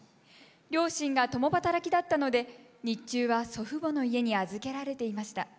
両親が共働きだったので日中は祖父母の家に預けられていました。